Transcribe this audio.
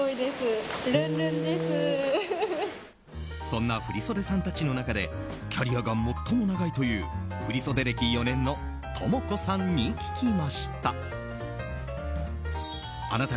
そんな振袖さんたちの中でキャリアが最も長いという振袖歴４年の十望子さんに聞きました。